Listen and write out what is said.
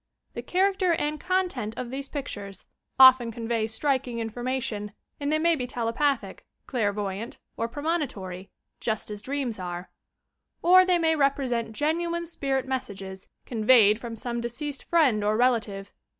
The char acter and content of these pictures often convey striking information and they may be telepathic, clairvoyant or premonitory, — just as dreams are, — or they may repre sent genuine spirit messages, conveyed from some deceased friend or relative.